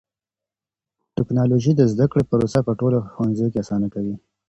ټکنالوژي د زده کړې پروسه په ټولو ښوونځيو کې آسانه کوي.